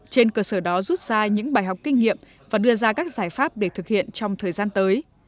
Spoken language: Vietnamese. trên cơ sở đó rút ra những bài học kinh nghiệm và đưa ra các giải pháp để thực hiện trong thời gian tới